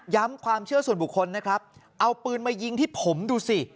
ความเชื่อส่วนบุคคลนะครับเอาปืนมายิงที่ผมดูสิ